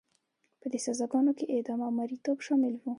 په دې سزاګانو کې اعدام او مریتوب شامل وو.